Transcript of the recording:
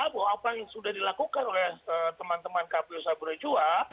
bahwa apa yang sudah dilakukan oleh teman teman kpu saburi jua